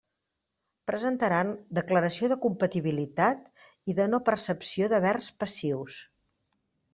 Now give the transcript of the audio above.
Presentaran declaració de compatibilitat i de no percepció d'havers passius.